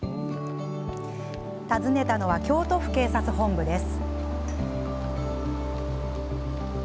訪ねたのは京都府警察本部です。